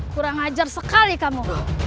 kurang ajar sekali kamu